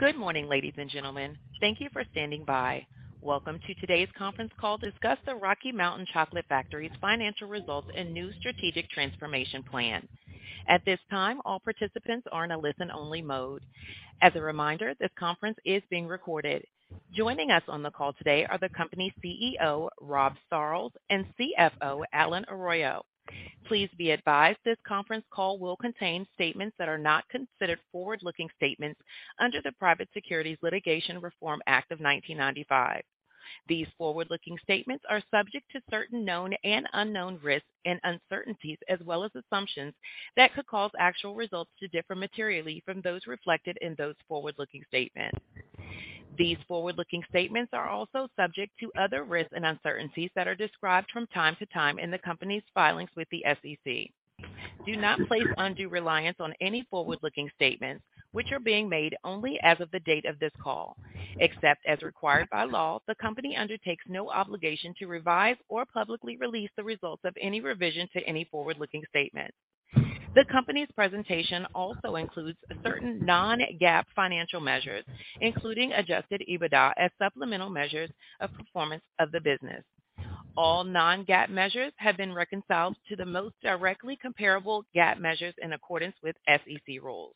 Good morning, ladies and gentlemen. Thank you for standing by. Welcome to today's conference call to discuss the Rocky Mountain Chocolate Factory's financial results and new strategic transformation plan. At this time, all participants are in a listen-only mode. As a reminder, this conference is being recorded. Joining us on the call today are the company's CEO, Rob Sarlls, and CFO, Allen Arroyo. Please be advised this conference call will contain statements that are not considered forward-looking statements under the Private Securities Litigation Reform Act of 1995. These forward-looking statements are subject to certain known and unknown risks and uncertainties as well as assumptions that could cause actual results to differ materially from those reflected in those forward-looking statements. These forward-looking statements are also subject to other risks and uncertainties that are described from time to time in the company's filings with the SEC. Do not place undue reliance on any forward-looking statements, which are being made only as of the date of this call. Except as required by law, the company undertakes no obligation to revise or publicly release the results of any revision to any forward-looking statement. The company's presentation also includes certain non-GAAP financial measures, including Adjusted EBITDA as supplemental measures of performance of the business. All non-GAAP measures have been reconciled to the most directly comparable GAAP measures in accordance with SEC rules.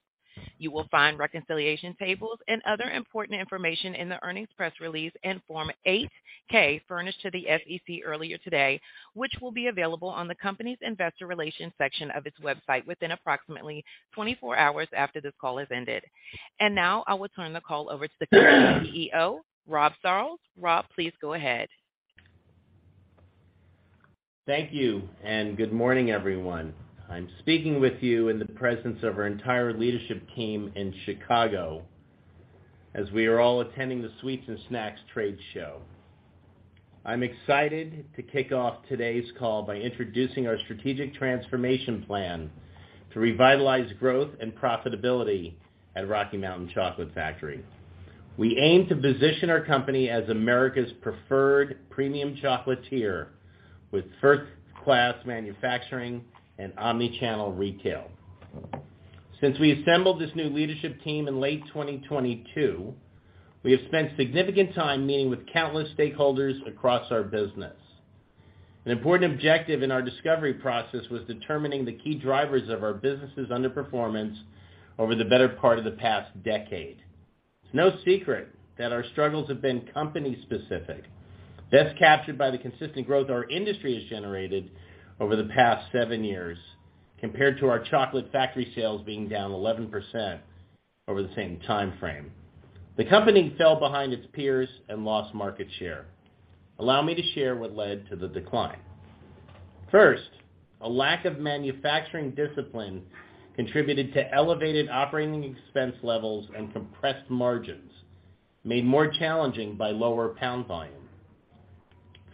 You will find reconciliation tables and other important information in the earnings press release and Form 8-K furnished to the SEC earlier today, which will be available on the company's investor relations section of its website within approximately 24 hours after this call has ended. I will turn the call over to the company's CEO, Rob Sarlls. Rob, please go ahead. Thank you. Good morning, everyone. I'm speaking with you in the presence of our entire leadership team in Chicago as we are all attending the Sweets and Snacks Trade Show. I'm excited to kick off today's call by introducing our strategic transformation plan to revitalize growth and profitability at Rocky Mountain Chocolate Factory. We aim to position our company as America's preferred premium chocolatier with first-class manufacturing and omni-channel retail. Since we assembled this new leadership team in late 2022, we have spent significant time meeting with countless stakeholders across our business. An important objective in our discovery process was determining the key drivers of our business' underperformance over the better part of the past decade. It's no secret that our struggles have been company-specific, best captured by the consistent growth our industry has generated over the past seven years compared to our Chocolate Factory sales being down 11% over the same timeframe. The company fell behind its peers and lost market share. Allow me to share what led to the decline. First, a lack of manufacturing discipline contributed to elevated operating expense levels and compressed margins, made more challenging by lower pound volume.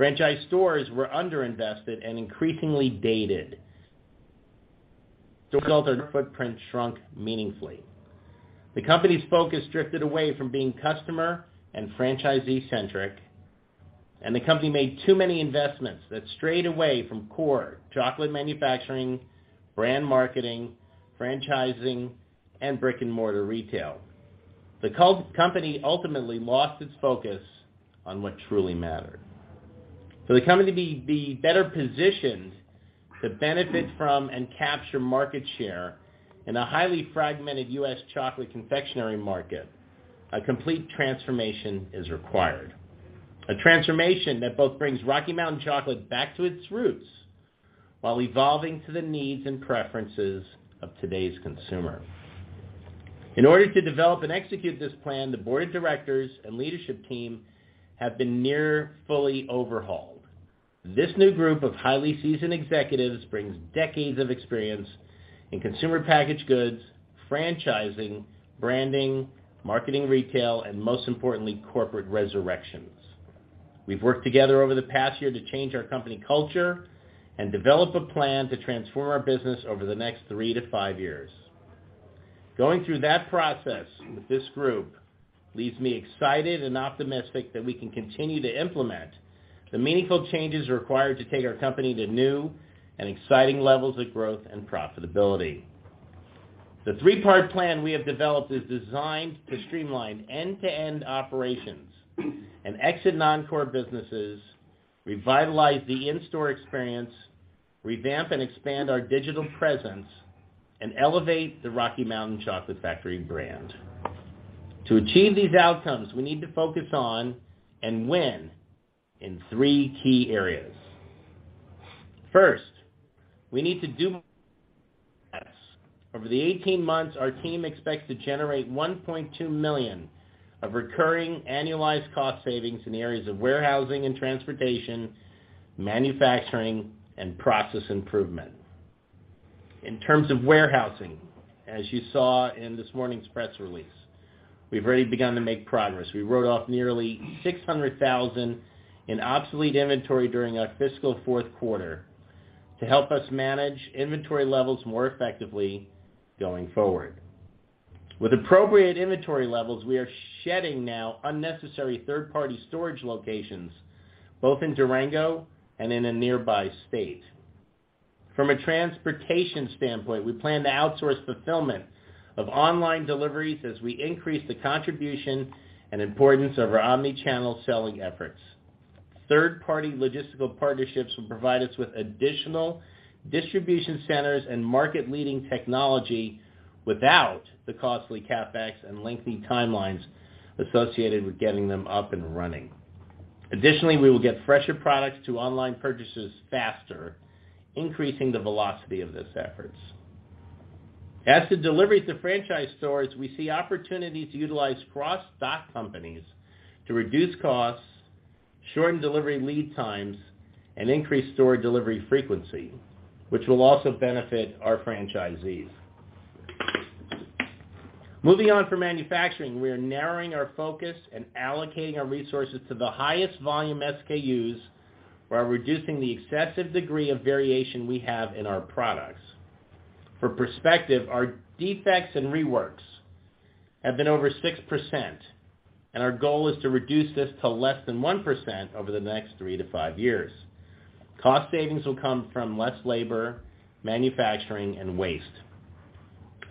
Franchise stores were underinvested and increasingly dated. Footprint shrunk meaningfully. The company's focus drifted away from being customer and franchisee-centric, and the company made too many investments that strayed away from core chocolate manufacturing, brand marketing, franchising, and brick-and-mortar retail. The company ultimately lost its focus on what truly mattered. For the company to be better positioned to benefit from and capture market share in a highly fragmented U.S. chocolate confectionery market, a complete transformation is required. A transformation that both brings Rocky Mountain Chocolate back to its roots while evolving to the needs and preferences of today's consumer. In order to develop and execute this plan, the board of directors and leadership team have been near fully overhauled. This new group of highly seasoned executives brings decades of experience in consumer packaged goods, franchising, branding, marketing, retail, and most importantly, corporate resurrections. We've worked together over the past year to change our company culture and develop a plan to transform our business over the next three to five years. Going through that process with this group leaves me excited and optimistic that we can continue to implement the meaningful changes required to take our company to new and exciting levels of growth and profitability. The three-part plan we have developed is designed to streamline end-to-end operations and exit non-core businesses, revitalize the in-store experience, revamp and expand our digital presence, and elevate the Rocky Mountain Chocolate Factory brand. To achieve these outcomes, we need to focus on and win in three key areas. First, we need to do. Over the 18 months, our team expects to generate $1.2 million of recurring annualized cost savings in the areas of warehousing and transportation, manufacturing, and process improvement. In terms of warehousing, as you saw in this morning's press release, we've already begun to make progress. We wrote off nearly $600,000 in obsolete inventory during our fiscal fourth quarter to help us manage inventory levels more effectively going forward. With appropriate inventory levels, we are shedding now unnecessary third-party storage locations, both in Durango and in a nearby state. From a transportation standpoint, we plan to outsource fulfillment of online deliveries as we increase the contribution and importance of our omni-channel selling efforts. Third-party logistical partnerships will provide us with additional distribution centers and market-leading technology without the costly CapEx and lengthy timelines associated with getting them up and running. We will get fresher products to online purchases faster, increasing the velocity of those efforts. As to deliveries to franchise stores, we see opportunities to utilize cross-dock companies to reduce costs, shorten delivery lead times, and increase store delivery frequency, which will also benefit our franchisees. Moving on for manufacturing, we are narrowing our focus and allocating our resources to the highest volume SKUs while reducing the excessive degree of variation we have in our products. For perspective, our defects and reworks have been over 6%, and our goal is to reduce this to less than 1% over the next three to five years. Cost savings will come from less labor, manufacturing, and waste.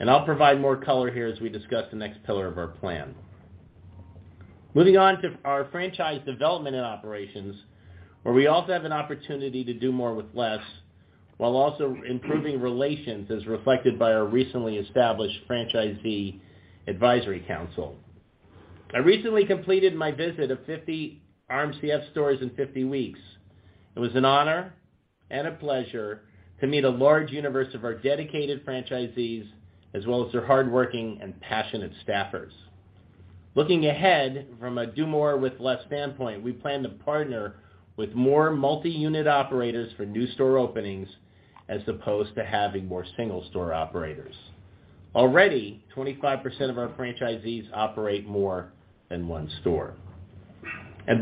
I'll provide more color here as we discuss the next pillar of our plan. Moving on to our franchise development and operations, where we also have an opportunity to do more with less while also improving relations, as reflected by our recently established Franchisee Advisory Council. I recently completed my visit of 50 RMCF stores in 50 weeks. It was an honor and a pleasure to meet a large universe of our dedicated franchisees, as well as their hardworking and passionate staffers. Looking ahead, from a do more with less standpoint, we plan to partner with more multi-unit operators for new store openings as opposed to having more single-store operators. Already, 25% of our franchisees operate more than one store.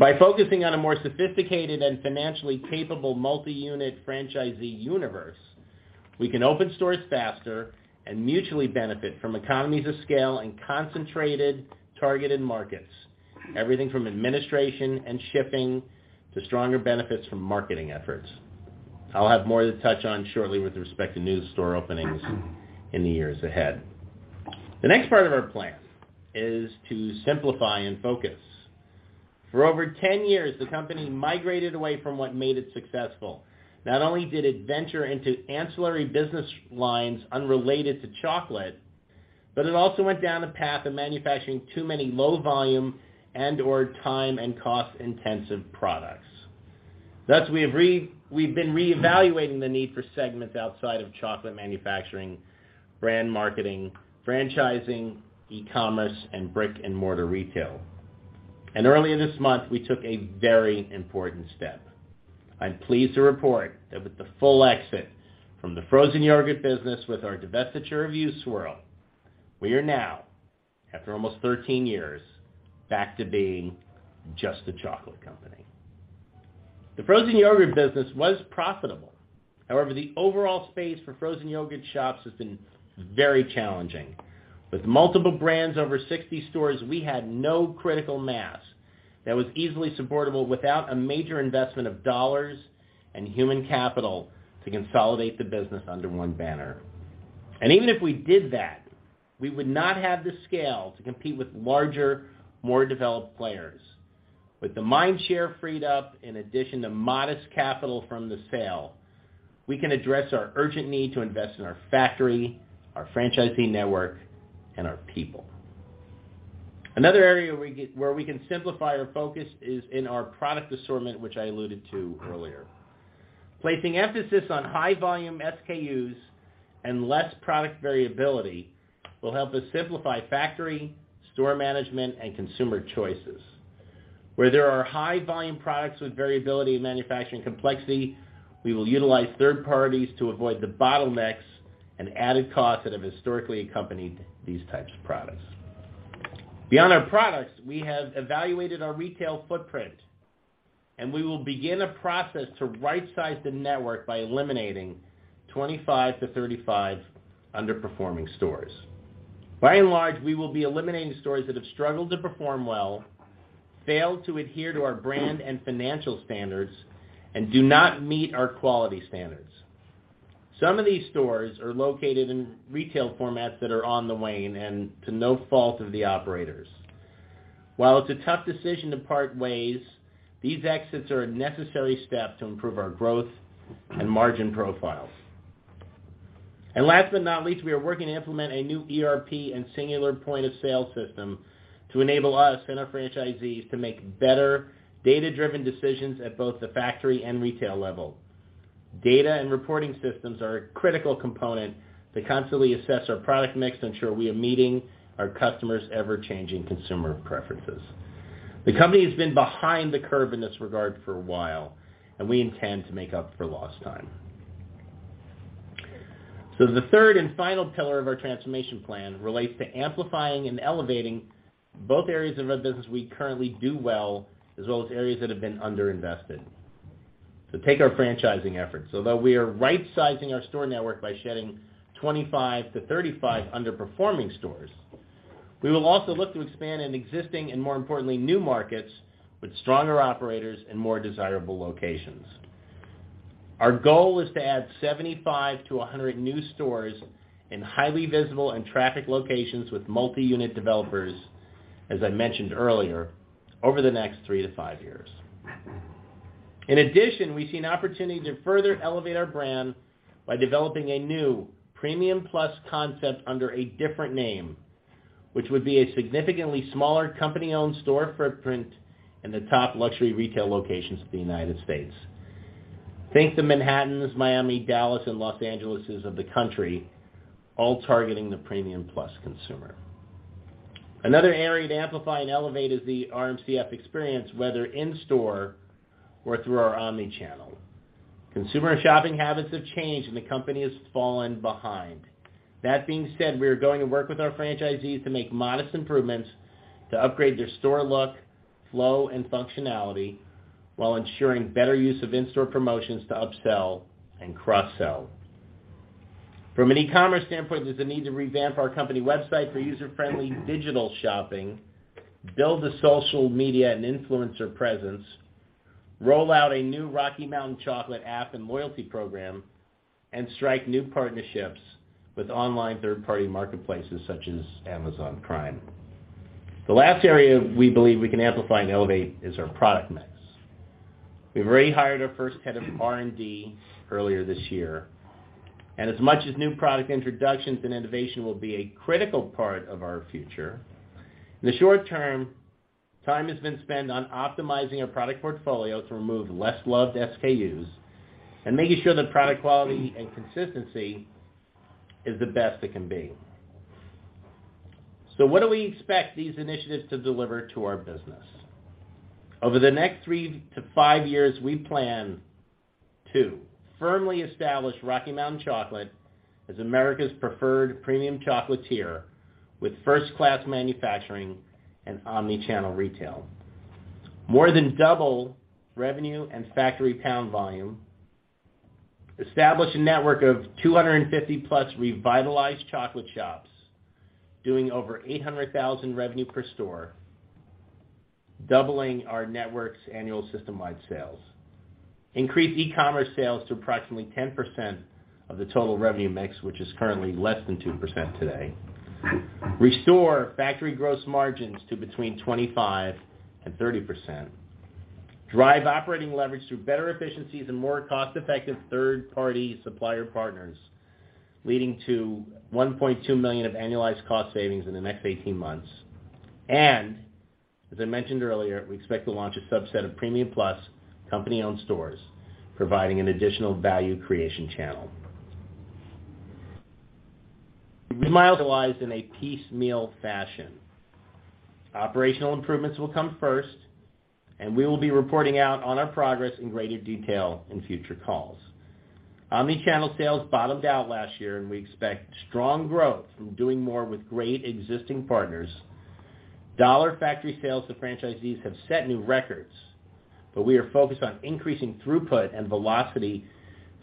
By focusing on a more sophisticated and financially capable multi-unit franchisee universe, we can open stores faster and mutually benefit from economies of scale in concentrated, targeted markets, everything from administration and shipping to stronger benefits from marketing efforts. I'll have more to touch on shortly with respect to new store openings in the years ahead. The next part of our plan is to simplify and focus. For over 10 years, the company migrated away from what made it successful. Not only did it venture into ancillary business lines unrelated to chocolate, but it also went down a path of manufacturing too many low volume and/or time and cost-intensive products. Thus, we've been reevaluating the need for segments outside of chocolate manufacturing, brand marketing, franchising, e-commerce, and brick-and-mortar retail. Earlier this month, we took a very important step. I'm pleased to report that with the full exit from the frozen yogurt business with our divestiture of U-Swirl, we are now, after almost 13 years, back to being just a chocolate company. The frozen yogurt business was profitable. However, the overall space for frozen yogurt shops has been very challenging. With multiple brands over 60 stores, we had no critical mass that was easily supportable without a major investment of dollars and human capital to consolidate the business under one banner. Even if we did that, we would not have the scale to compete with larger, more developed players. With the mind share freed up, in addition to modest capital from the sale, we can address our urgent need to invest in our factory, our franchisee network, and our people. Another area where we can simplify our focus is in our product assortment, which I alluded to earlier. Placing emphasis on high volume SKUs and less product variability will help us simplify factory, store management, and consumer choices. Where there are high volume products with variability and manufacturing complexity, we will utilize third parties to avoid the bottlenecks and added costs that have historically accompanied these types of products. Beyond our products, we have evaluated our retail footprint, and we will begin a process to right-size the network by eliminating 25-35 underperforming stores. By and large, we will be eliminating stores that have struggled to perform well, failed to adhere to our brand and financial standards, and do not meet our quality standards. Some of these stores are located in retail formats that are on the wane and to no fault of the operators. While it's a tough decision to part ways, these exits are a necessary step to improve our growth and margin profiles. Last but not least, we are working to implement a new ERP and singular point-of-sale system to enable us and our franchisees to make better data-driven decisions at both the factory and retail level. Data and reporting systems are a critical component to constantly assess our product mix, ensure we are meeting our customers' ever-changing consumer preferences. The company has been behind the curve in this regard for a while, and we intend to make up for lost time. The third and final pillar of our transformation plan relates to amplifying and elevating both areas of our business we currently do well, as well as areas that have been underinvested. To take our franchising efforts, although we are right-sizing our store network by shedding 25-35 underperforming stores. We will also look to expand in existing and, more importantly, new markets with stronger operators and more desirable locations. Our goal is to add 75-100 new stores in highly visible and traffic locations with multi-unit developers, as I mentioned earlier, over the next three to five years. In addition, we see an opportunity to further elevate our brand by developing a new premium plus concept under a different name, which would be a significantly smaller company-owned store footprint in the top luxury retail locations of the United States. Think the Manhattan, Miami, Dallas, and Los Angeles' of the country, all targeting the premium plus consumer. Another area to amplify and elevate is the RMCF experience, whether in store or through our omni-channel. Consumer and shopping habits have changed, and the company has fallen behind. That being said, we are going to work with our franchisees to make modest improvements to upgrade their store look, flow, and functionality while ensuring better use of in-store promotions to upsell and cross-sell. From an e-commerce standpoint, there's a need to revamp our company website for user-friendly digital shopping, build a social media and influencer presence, roll out a new Rocky Mountain Chocolate app and loyalty program, and strike new partnerships with online third-party marketplaces such as Amazon Prime. The last area we believe we can amplify and elevate is our product mix. We've already hired our first head of R&D earlier this year. As much as new product introductions and innovation will be a critical part of our future, in the short term, time has been spent on optimizing our product portfolio to remove less-loved SKUs and making sure that product quality and consistency is the best it can be. What do we expect these initiatives to deliver to our business? Over the next three to five years, we plan to firmly establish Rocky Mountain Chocolate as America's preferred premium chocolatier with first-class manufacturing and omni-channel retail. More than double revenue and factory pound volume. Establish a network of 250+ revitalized chocolate shops doing over $800,000 revenue per store, doubling our network's annual system-wide sales. Increase e-commerce sales to approximately 10% of the total revenue mix, which is currently less than 2% today. Restore factory gross margins to between 25% and 30%. Drive operating leverage through better efficiencies and more cost-effective third-party supplier partners, leading to $1.2 million of annualized cost savings in the next 18 months. As I mentioned earlier, we expect to launch a subset of premium plus company-owned stores, providing an additional value creation channel. We in a piecemeal fashion. Operational improvements will come first. We will be reporting out on our progress in greater detail in future calls. Omni-channel sales bottomed out last year. We expect strong growth from doing more with great existing partners. Dollar factory sales to franchisees have set new records. We are focused on increasing throughput and velocity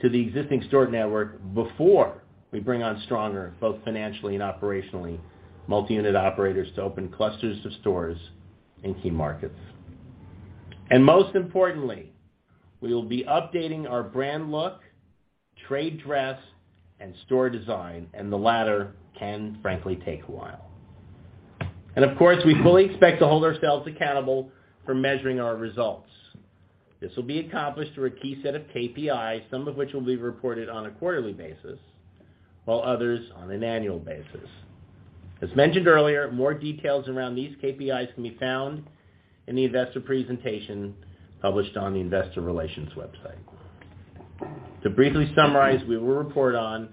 to the existing store network before we bring on stronger, both financially and operationally, multi-unit operators to open clusters of stores in key markets. Most importantly, we will be updating our brand look, trade dress, and store design, and the latter can frankly take a while. Of course, we fully expect to hold ourselves accountable for measuring our results. This will be accomplished through a key set of KPIs, some of which will be reported on a quarterly basis, while others on an annual basis. As mentioned earlier, more details around these KPIs can be found in the investor presentation published on the investor relations website. To briefly summarize, we will report on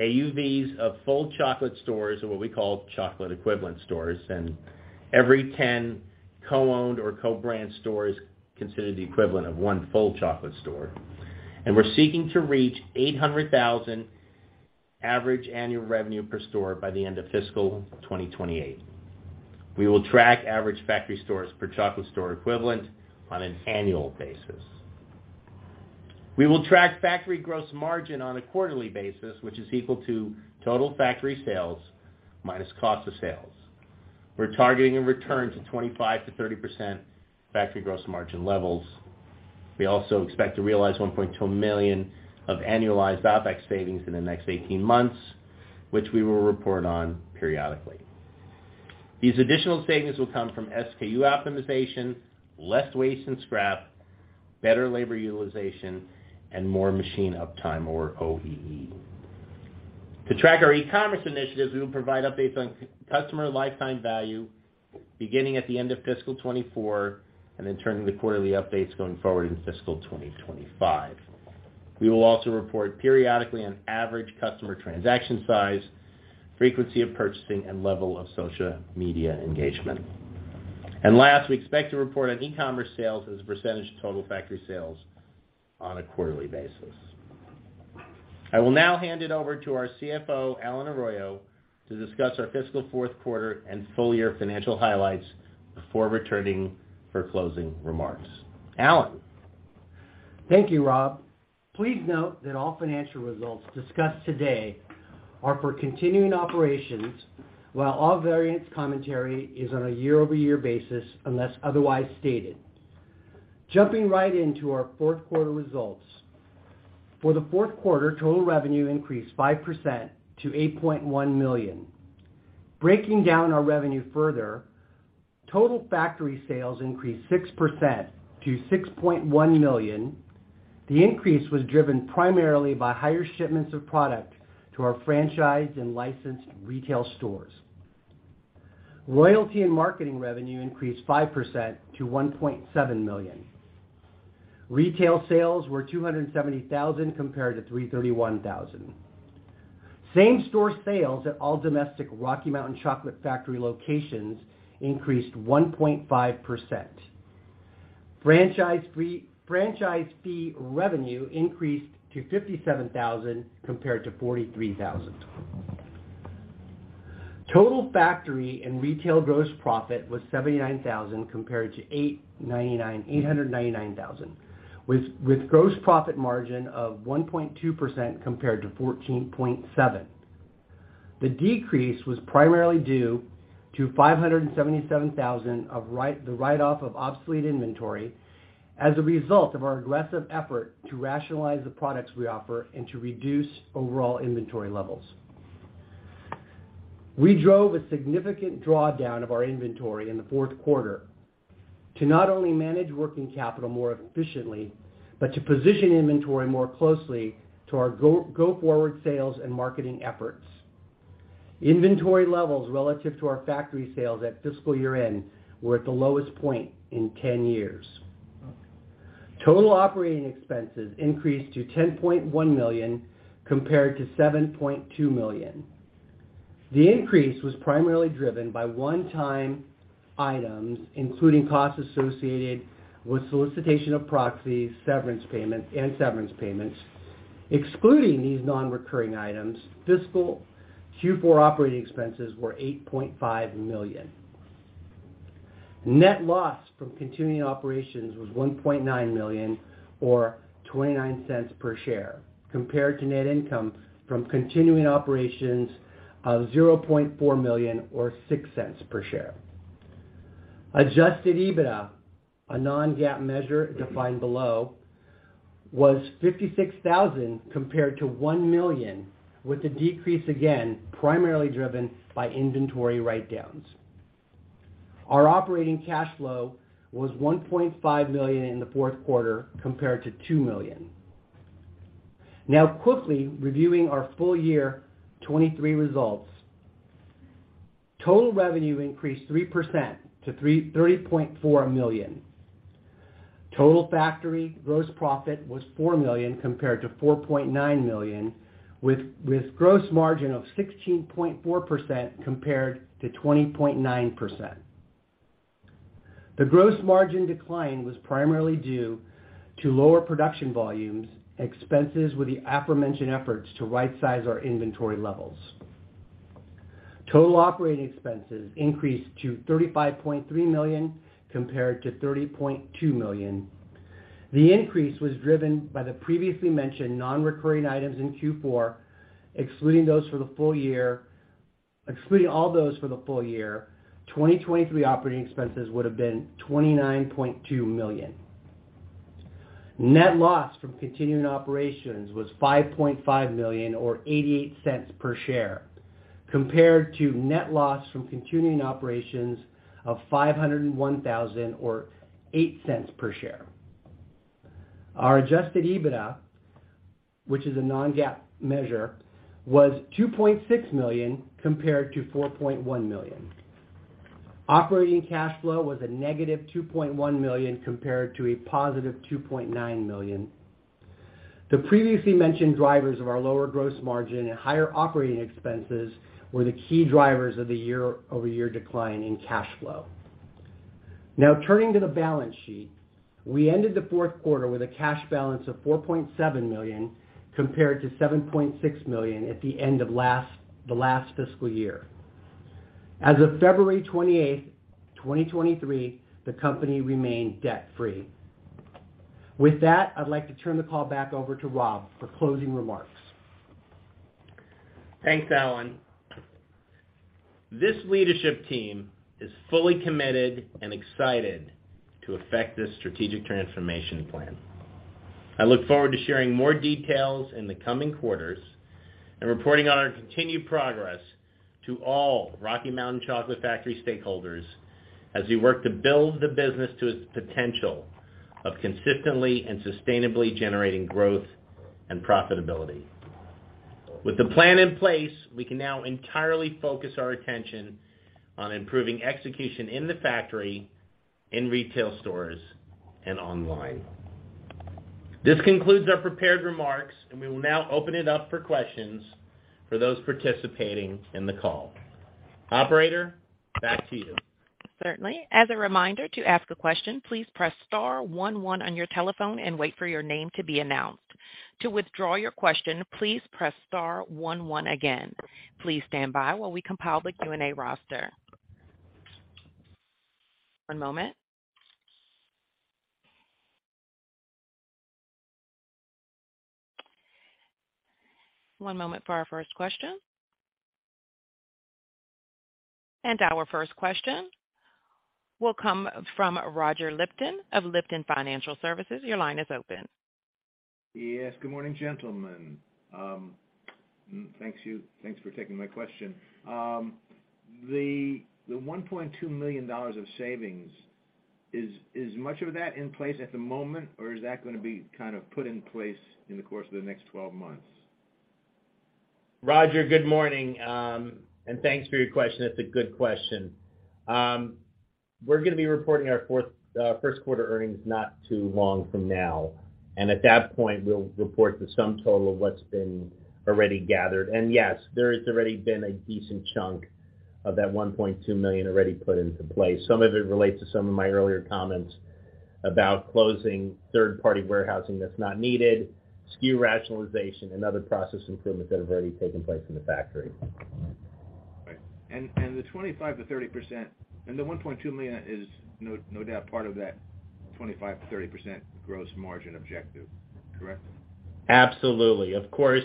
AUVs of full chocolate stores or what we call chocolate equivalent stores. Every 10 co-owned or co-brand stores considered the equivalent of one full chocolate store. We're seeking to reach $800,000 average annual revenue per store by the end of fiscal 2028. We will track average factory stores per chocolate store equivalent on an annual basis. We will track factory gross margin on a quarterly basis, which is equal to total factory sales minus cost of sales. We're targeting a return to 25%-30% factory gross margin levels. We also expect to realize $1.2 million of annualized OpEx savings in the next 18 months, which we will report on periodically. These additional savings will come from SKU optimization, less waste and scrap, better labor utilization, more machine uptime or OEE. To track our e-commerce initiatives, we will provide updates on customer lifetime value beginning at the end of fiscal 24 and then turning to quarterly updates going forward in fiscal 2025. We will also report periodically on average customer transaction size, frequency of purchasing, and level of social media engagement. Last, we expect to report on e-commerce sales as a percentage of total factory sales on a quarterly basis. I will now hand it over to our CFO, Allen Arroyo, to discuss our fiscal fourth quarter and full-year financial highlights before returning for closing remarks. Allen? Thank you, Rob. Please note that all financial results discussed today are for continuing operations, while all variance commentary is on a year-over-year basis unless otherwise stated. Jumping right into our fourth quarter results. For the fourth quarter, total revenue increased 5% to $8.1 million. Breaking down our revenue further, total factory sales increased 6% to $6.1 million. The increase was driven primarily by higher shipments of product to our franchise and licensed retail stores. Royalty and marketing revenue increased 5% to $1.7 million. Retail sales were $270,000 compared to $331,000. Same-store sales at all domestic Rocky Mountain Chocolate Factory locations increased 1.5%. Franchise fee revenue increased to $57,000 compared to $43,000. Total factory and retail gross profit was $79,000 compared to $899,000, with gross profit margin of 1.2% compared to 14.7%. The decrease was primarily due to $577,000 of the write-off of obsolete inventory as a result of our aggressive effort to rationalize the products we offer and to reduce overall inventory levels. We drove a significant drawdown of our inventory in the fourth quarter to not only manage working capital more efficiently but to position inventory more closely to our go forward sales and marketing efforts. Inventory levels relative to our factory sales at fiscal year-end were at the lowest point in 10 years. Total operating expenses increased to $10.1 million compared to $7.2 million. The increase was primarily driven by one-time items, including costs associated with solicitation of proxies, and severance payments. Excluding these non-recurring items, fiscal Q4 operating expenses were $8.5 million. Net loss from continuing operations was $1.9 million or $0.29 per share, compared to net income from continuing operations of $0.4 million or $0.06 per share. Adjusted EBITDA, a non-GAAP measure defined below, was $56,000 compared to $1 million, with the decrease again primarily driven by inventory write-downs. Our operating cash flow was $1.5 million in the fourth quarter compared to $2 million. Quickly reviewing our full year 2023 results. Total revenue increased 3% to $30.4 million. Total factory gross profit was $4 million compared to $4.9 million, with gross margin of 16.4% compared to 20.9%. The gross margin decline was primarily due to lower production volumes, expenses with the aforementioned efforts to rightsize our inventory levels. Total operating expenses increased to $35.3 million compared to $30.2 million. The increase was driven by the previously mentioned non-recurring items in Q4. Excluding all those for the full year, 2023 operating expenses would have been $29.2 million. Net loss from continuing operations was $5.5 million or $0.88 per share, compared to net loss from continuing operations of $501,000 or $0.08 per share. Our Adjusted EBITDA, which is a non-GAAP measure, was $2.6 million compared to $4.1 million. Operating cash flow was a -$2.1 million compared to a +$2.9 million. The previously mentioned drivers of our lower gross margin and higher operating expenses were the key drivers of the year-over-year decline in cash flow. Turning to the balance sheet. We ended the fourth quarter with a cash balance of $4.7 million compared to $7.6 million at the end of the last fiscal year. As of February 28th, 2023, the company remained debt-free. With that, I'd like to turn the call back over to Rob for closing remarks. Thanks, Allen. This leadership team is fully committed and excited to affect this strategic transformation plan. I look forward to sharing more details in the coming quarters and reporting on our continued progress to all Rocky Mountain Chocolate Factory stakeholders as we work to build the business to its potential of consistently and sustainably generating growth and profitability. With the plan in place, we can now entirely focus our attention on improving execution in the factory, in retail stores, and online. This concludes our prepared remarks, and we will now open it up for questions for those participating in the call. Operator, back to you. Certainly. As a reminder, to ask a question, please press star one one on your telephone and wait for your name to be announced. To withdraw your question, please press star one one again. Please stand by while we compile the Q&A roster. One moment. One moment for our first question. Our first question will come from Roger Lipton of Lipton Financial Services. Your line is open. Yes. Good morning, gentlemen. Thanks for taking my question. The $1.2 million of savings is much of that in place at the moment, or is that gonna be kind of put in place in the course of the next 12 months? Roger, good morning, thanks for your question. It's a good question. We're gonna be reporting our first quarter earnings not too long from now, at that point, we'll report the sum total of what's been already gathered. Yes, there has already been a decent chunk of that $1.2 million already put into place. Some of it relates to some of my earlier comments about closing third-party warehousing that's not needed, SKU rationalization, and other process improvements that have already taken place in the factory. Right. The 25%-30%. The $1.2 million is no doubt part of that 25%-30% gross margin objective, correct? Absolutely. Of course,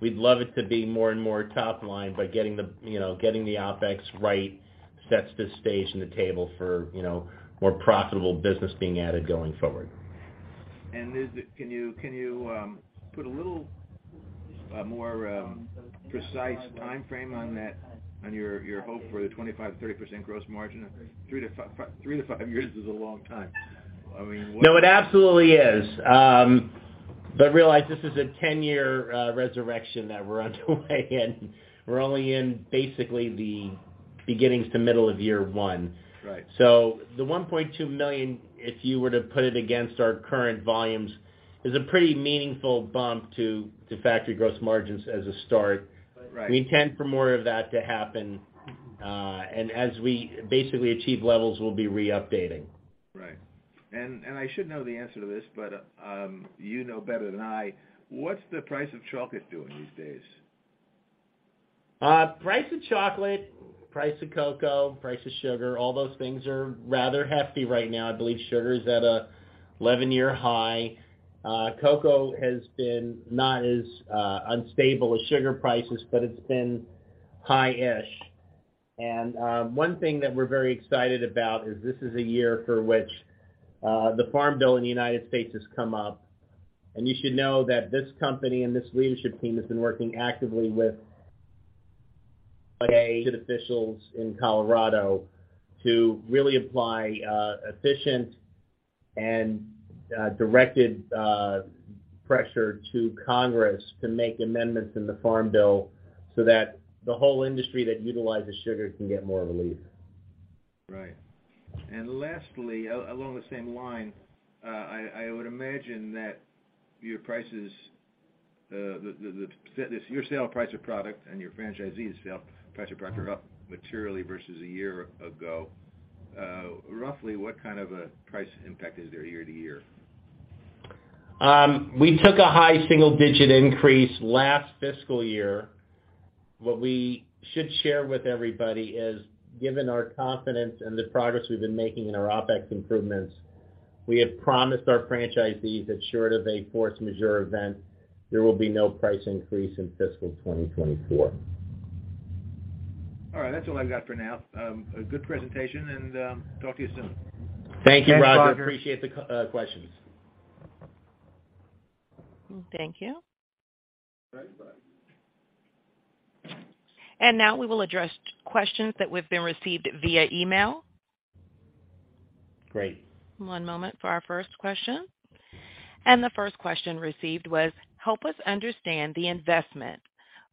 we'd love it to be more and more top line, but getting the, you know, getting the OpEx right sets the stage and the table for, you know, more profitable business being added going forward. Can you put a little more precise timeframe on that, on your hope for the 25%-30% gross margin? three to five years is a long time. No, it absolutely is. Realize this is a 10-year resurrection that we're underway, and we're only in basically the beginnings to middle of year one. Right. The $1.2 million, if you were to put it against our current volumes, is a pretty meaningful bump to factory gross margins as a start. Right. We intend for more of that to happen. As we basically achieve levels, we'll be re-updating. Right. I should know the answer to this, but, you know better than I. What's the price of chocolate doing these days? Price of chocolate, price of cocoa, price of sugar, all those things are rather hefty right now. I believe sugar is at a 11-year high. Cocoa has been not as unstable as sugar prices, but it's been high-ish. One thing that we're very excited about is this is a year for which the Farm Bill in the United States has come up. You should know that this company and this leadership team has been working actively with officials in Colorado to really apply efficient and directed pressure to Congress to make amendments in the Farm Bill so that the whole industry that utilizes sugar can get more of a lead. Right. Lastly, along the same line, I would imagine that your prices, your sale price of product and your franchisees' sale price of product are up materially versus a year ago. Roughly, what kind of a price impact is there year-to-year? We took a high single-digit increase last fiscal year. What we should share with everybody is, given our confidence in the progress we've been making in our OpEx improvements, we have promised our franchisees that short of a force majeure event, there will be no price increase in fiscal 2024. All right. That's all I've got for now. A good presentation, and talk to you soon. Thank you, Roger. Thanks, Roger. Appreciate the questions. Thank you. All right. Bye. Now we will address questions that we've been received via email. Great. One moment for our first question. The first question received was, help us understand the investment,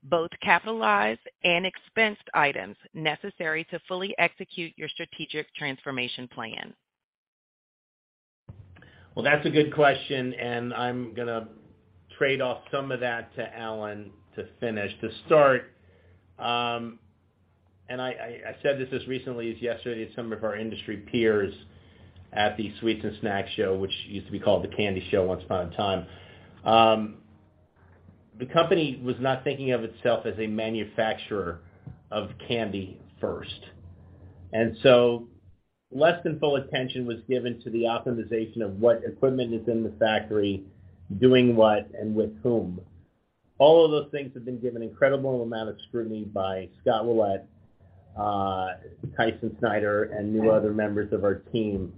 both capitalized and expensed items necessary to fully execute your strategic transformation plan. Well, that's a good question, and I'm gonna trade off some of that to Allen to finish. To start, I said this as recently as yesterday to some of our industry peers at the Sweets and Snacks Expo, which used to be called the Candy Show once upon a time. The company was not thinking of itself as a manufacturer of candy first. Less than full attention was given to the optimization of what equipment is in the factory, doing what and with whom. All of those things have been given incredible amount of scrutiny by Scott Ouellet, Tyson Snyder, and new other members of our team.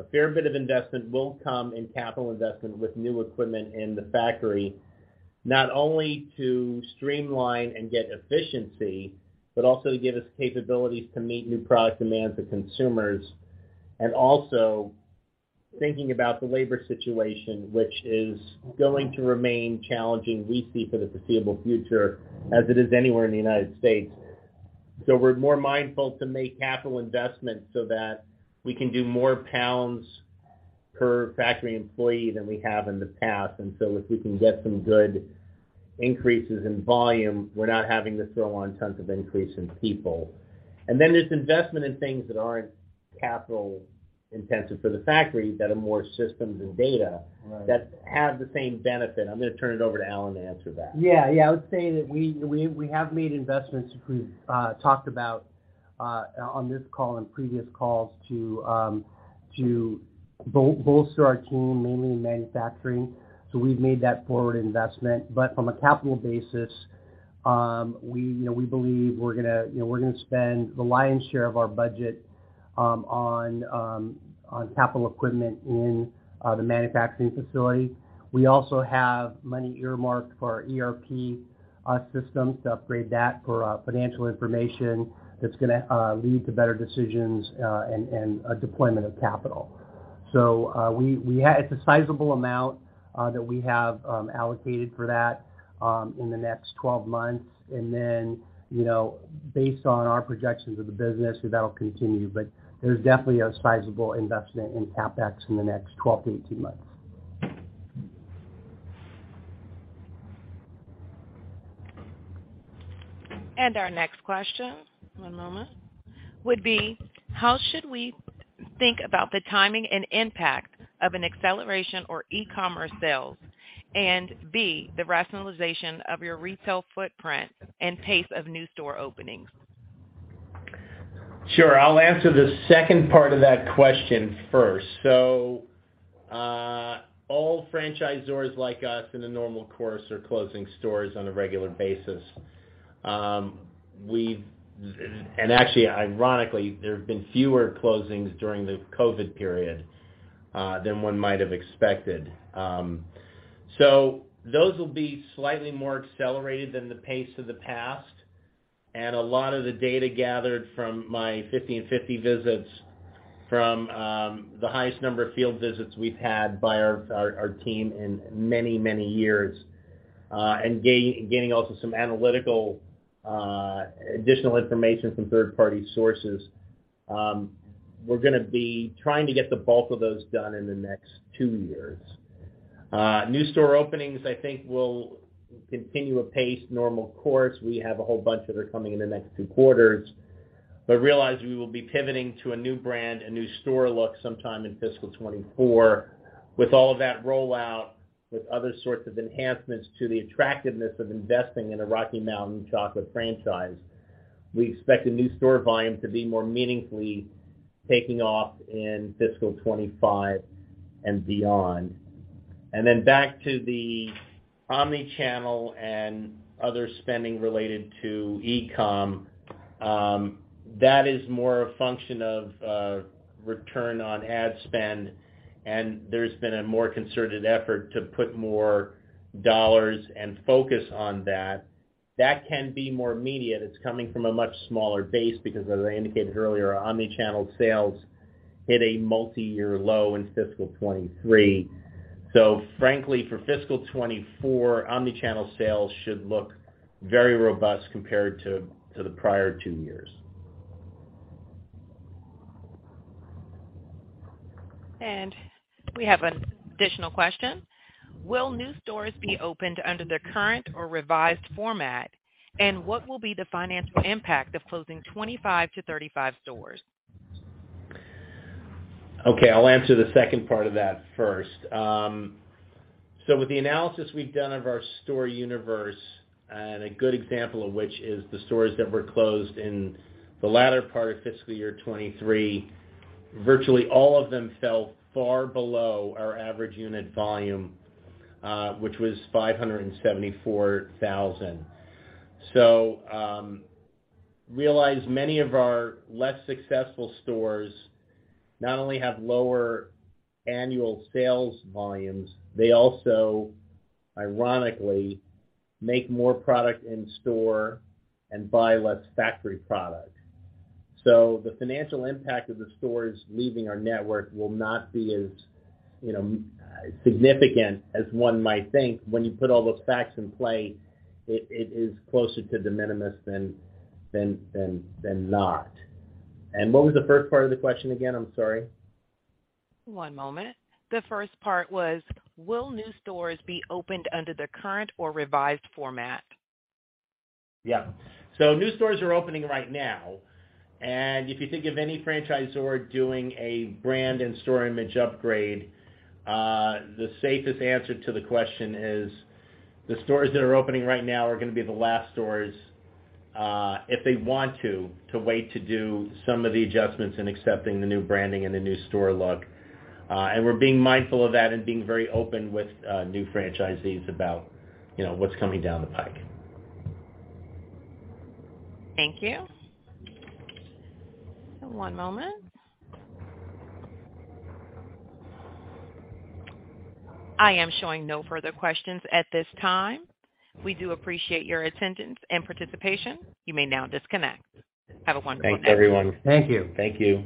A fair bit of investment will come in capital investment with new equipment in the factory, not only to streamline and get efficiency, but also to give us capabilities to meet new product demands for consumers. Also thinking about the labor situation, which is going to remain challenging, we see for the foreseeable future as it is anywhere in the United States. We're more mindful to make capital investments so that we can do more pounds per factory employee than we have in the past. If we can get some good increases in volume, we're not having to throw on tons of increase in people. Then there's investment in things that aren't capital intensive for the factory that are more systems and data- Right. that have the same benefit. I'm gonna turn it over to Allen to answer that. Yeah. Yeah. I would say that we have made investments, we've talked about on this call and previous calls to bolster our team, mainly in manufacturing. We've made that forward investment. From a capital basis, you know, we believe we're gonna spend the lion's share of our budget on capital equipment in the manufacturing facility. We also have money earmarked for ERP systems to upgrade that for financial information that's gonna lead to better decisions and deployment of capital. It's a sizable amount that we have allocated for that in the next 12 months. You know, based on our projections of the business, that'll continue. There's definitely a sizable investment in CapEx in the next 12 to 18 months. Our next question, one moment, would be how should we think about the timing and impact of an acceleration or e-commerce sales? And B, the rationalization of your retail footprint and pace of new store openings. Sure. I'll answer the second part of that question first. All franchisors like us in the normal course are closing stores on a regular basis. Actually, ironically, there have been fewer closings during the COVID period than one might have expected. Those will be slightly more accelerated than the pace of the past. A lot of the data gathered from my 50 and 50 visits from the highest number of field visits we've had by our team in many, many years, and gain-getting also some analytical additional information from third-party sources. We're gonna be trying to get the bulk of those done in the next two years. New store openings, I think, will continue apace normal course. We have a whole bunch that are coming in the next two quarters. Realize we will be pivoting to a new brand, a new store look sometime in fiscal 2024. With all of that rollout, with other sorts of enhancements to the attractiveness of investing in a Rocky Mountain Chocolate franchise, we expect the new store volume to be more meaningfully taking off in fiscal 2025 and beyond. Back to the omni-channel and other spending related to e-com, that is more a function of return on ad spend, and there's been a more concerted effort to put more dollars and focus on that. That can be more immediate. It's coming from a much smaller base because as I indicated earlier, our omni-channel sales hit a multi-year low in fiscal 2023. Frankly, for fiscal 2024, omni-channel sales should look very robust compared to the prior two years. We have an additional question: Will new stores be opened under the current or revised format? What will be the financial impact of closing 25-35 stores? Okay, I'll answer the second part of that first. With the analysis we've done of our store universe, and a good example of which is the stores that were closed in the latter part of fiscal year 2023, virtually all of them fell far below our Average Unit Volume, which was $574,000. Realize many of our less successful stores not only have lower annual sales volumes, they also, ironically, make more product in store and buy less factory product. The financial impact of the stores leaving our network will not be as, you know, significant as one might think. When you put all those facts in play, it is closer to de minimis than not. What was the first part of the question again? I'm sorry. One moment. The first part was, will new stores be opened under the current or revised format? New stores are opening right now. If you think of any franchisor doing a brand and store image upgrade, the safest answer to the question is the stores that are opening right now are gonna be the last stores, if they want to wait to do some of the adjustments in accepting the new branding and the new store look. We're being mindful of that and being very open with new franchisees about, you know, what's coming down the pike. Thank you. One moment. I am showing no further questions at this time. We do appreciate your attendance and participation. You may now disconnect. Have a wonderful day. Thanks, everyone. Thank you. Thank you.